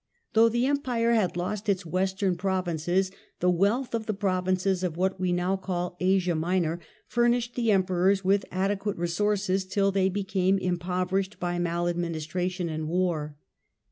Though the Empire had lost its western provinces, the wealth of the provinces of what we now call Asia Minor furnished the em perors with adequate resources till they became im poverished by maladministration and war.